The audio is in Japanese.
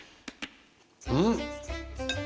うん？